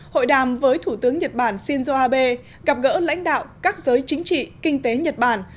hội đàm với thủ tướng nhật bản shinzo abe gặp gỡ lãnh đạo các giới chính trị kinh tế nhật bản